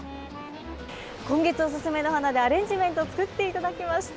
今月おすすめの花でアレンジメントを作っていただきました。